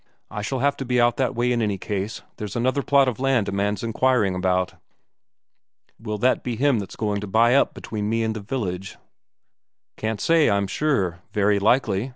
I shall have to be out that way in any case, there's another plot of land a man's inquiring about." "Will that be him that's going to buy up between me and the village?" "Can't say, I'm sure. Very likely.